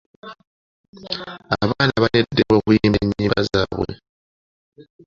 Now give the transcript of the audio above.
Abaana balina eddembe okuyimba ennyimba zaabwe.